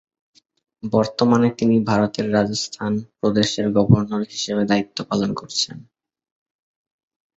বর্তমানে তিনি ভারতের রাজস্থান প্রদেশের গভর্নর হিসেবে দায়িত্ব পালন করছেন।